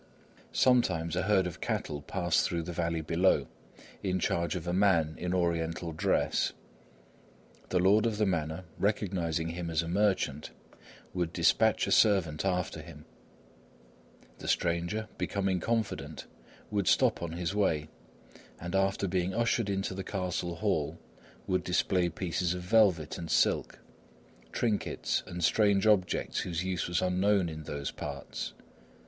Sometimes a herd of cattle passed through the valley below, in charge of a man in Oriental dress. The lord of the manor, recognising him as a merchant, would despatch a servant after him. The stranger, becoming confident, would stop on his way and after being ushered into the castle hall, would display pieces of velvet and silk, trinkets and strange objects whose use was unknown in those parts.